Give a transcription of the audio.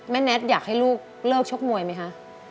แน็ตอยากให้ลูกเลิกชกมวยไหมคะ